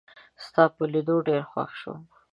ستا په لیدو ډېر خوښ شوم